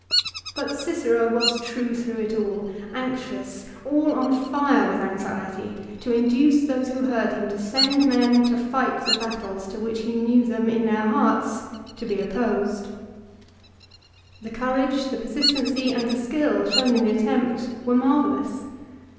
But Cicero was true through it all, anxious, all on fire with anxiety, to induce those who heard him to send men to fight the battles to which he knew them, in their hearts, to be opposed. The courage, the persistency, and the skill, shown in the attempt were marvellous.